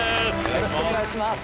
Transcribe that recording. よろしくお願いします。